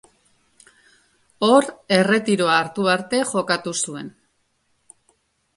Hor erretiroa hartu arte jokatu zuen.